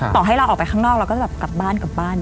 ต่อให้เราออกไปข้างนอกเราก็จะแบบกลับบ้าน